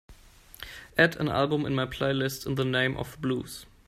add an album in my playlist In The Name Of Blues